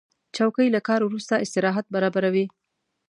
چوکۍ له کار وروسته استراحت برابروي.